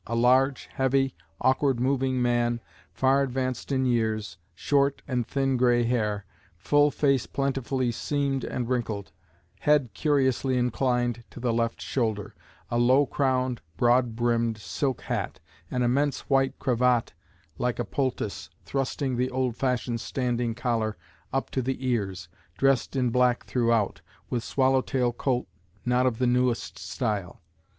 A large, heavy, awkward moving man, far advanced in years, short and thin gray hair, full face plentifully seamed and wrinkled, head curiously inclined to the left shoulder, a low crowned, broad brimmed silk hat, an immense white cravat like a poultice thrusting the old fashioned standing collar up to the ears, dressed in black throughout, with swallow tail coat not of the newest style.